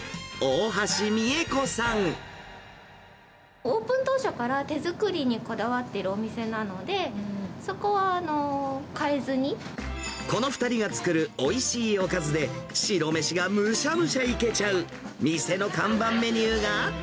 オープン当初から手作りにこだわってるお店なので、この２人が作るおいしいおかずで白飯がむしゃむしゃいけちゃう、店の看板メニューが。